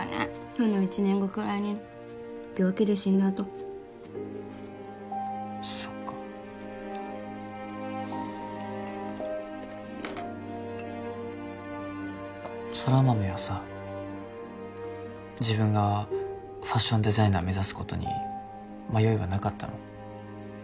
その一年後くらいに病気で死んだとそっか空豆はさ自分がファッションデザイナー目指すことに迷いはなかったの？